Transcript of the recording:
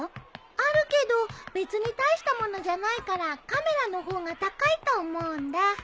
あるけど別に大したものじゃないからカメラの方が高いと思うんだ。